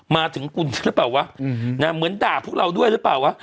มาถึงคุณหรือเปล่าวะเหมือนด่าพวกเราด้วยหรือเปล่าวะ